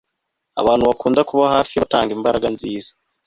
abantu bakunda kuba hafi y'abatanga imbaraga nziza